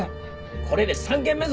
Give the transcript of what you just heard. これで３軒目ぞ。